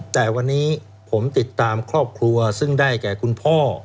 แต่วันนี้ผมติดตามครอบครัวซึ่งได้แก่คุณพ่อ